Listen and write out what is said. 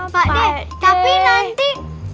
pak d tapi nanti